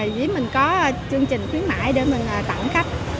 ví mình có chương trình khuyến mãi để mình tặng khách